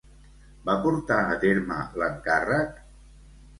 Va portar a terme l'encàrrec?